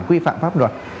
quy phạm pháp luật